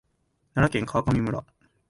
奈良県川上村